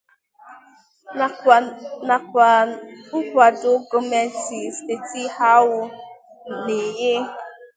nakwa nkwàdo gọọmenti steeti ahụ na-enye